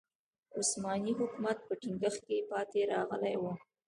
عثماني حکومت په ټینګښت کې پاتې راغلی و.